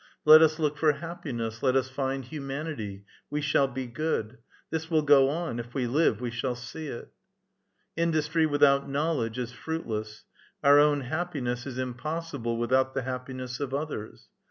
Let us look for hap piness, let us find humanity, we shall be good ; this will go on ; if we live, we shall see it. *' Industry without knowledge is fruitless ; our own happi ness is impossible without the happiness of others.